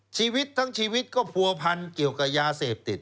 ชีวิตทั้งชีวิตก็ผัวพันเกี่ยวกับยาเสพติด